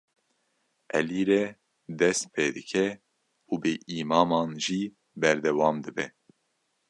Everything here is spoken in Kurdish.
Elî re dest pê dike û bi îmaman jî berdewam dibe.